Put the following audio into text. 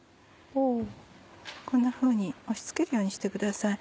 こんなふうに押し付けるようにしてください。